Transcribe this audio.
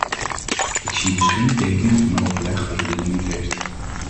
Ik zie dus geen tekenen van overleg over de nieuwe tekst.